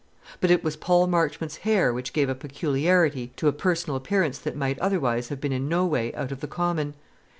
But it was Paul Marchmont's hair which gave a peculiarity to a personal appearance that might otherwise have been in no way out of the common.